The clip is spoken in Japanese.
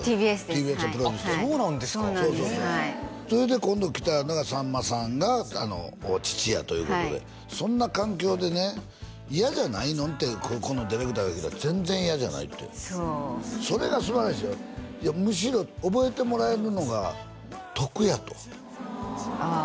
ＴＢＳのプロデューサーあっそうなんですかそうなんですそれで今度来たのがさんまさんが父やということではいそんな環境でね嫌じゃないのん？ってここのディレクターが聞いたら全然嫌じゃないってそれがすばらしいよいやむしろ覚えてもらえるのが得やとああ